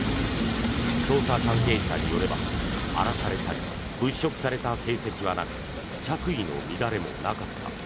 捜査関係者によれば荒らされたり物色された形跡はなく着衣の乱れもなかった。